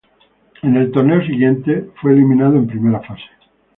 En el torneo siguiente fue eliminado en primera fase.